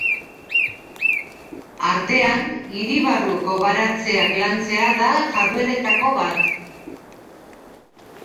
Artean hiri barruko baratzeak lantzea da jardueretako bat.